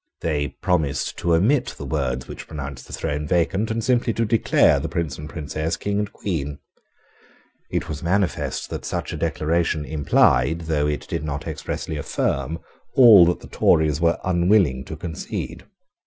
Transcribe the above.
They proposed to omit the words which pronounced the throne vacant, and simply to declare the Prince and Princess King and Queen. It was manifest that such a declaration implied, though it did not expressly affirm, all that the Tories were unwilling to concede.